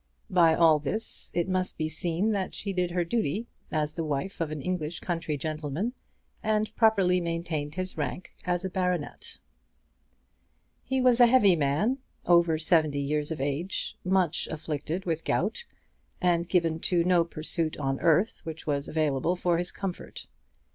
By all this it must be seen that she did her duty as the wife of an English country gentleman, and properly maintained his rank as a baronet. He was a heavy man, over seventy years of age, much afflicted with gout, and given to no pursuit on earth which was available for his comfort.